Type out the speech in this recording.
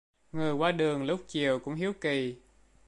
Người qua đường lúc chiều cũng hiếu kỳ